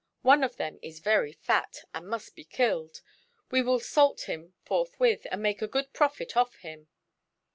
One of them is very fat, and must be killed; we will salt him forthwith and make a good profit off him."